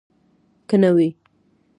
که نه وي.